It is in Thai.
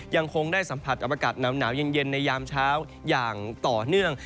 ยังคงได้สัมผัสกับอากาศหนาวเย็นในยามเช้าอย่างต่อเนื่อง